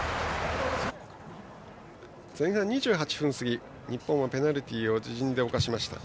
前半２８分過ぎ日本はペナルティーを自陣で犯しました。